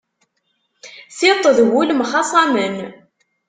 Tiṭ d wul mxaṣamen.